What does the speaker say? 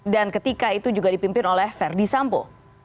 dan ketika itu juga dipimpin oleh verdi sampo